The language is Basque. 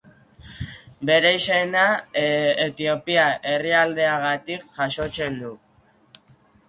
Bere izena Etiopia herrialdeagatik jasotzen du.